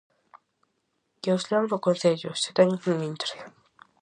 Que os lean no Concello, se teñen un intre!